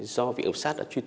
do vị ẩm sát đã truy tố